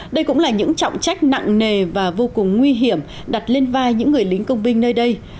đây cũng là những trọng trách nặng nề và vô cùng nguy hiểm đặt lên vai những người lính công binh nơi đây